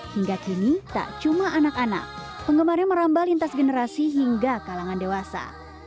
hingga kini tak cuma anak anak penggemarnya merambah lintas generasi hingga kalangan dewasa